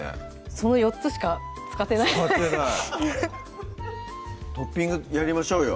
その４つしか使ってないトッピングやりましょうよ